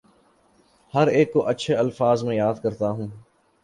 ہر ایک کو اچھے الفاظ میں یاد کرتا ہوں